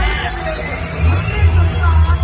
มันเป็นเมื่อไหร่แล้ว